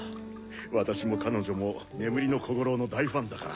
私も彼女も眠りの小五郎の大ファンだから。